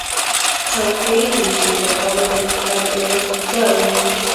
چوکۍ د زوی لپاره د کتاب لوست ځای وي.